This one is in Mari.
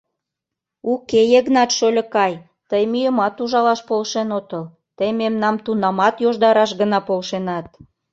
Уке, Йыгнат шольыкай, тый мӱйымат ужалаш полшен отыл, тый мемнам тунамат йождараш гына полшенат.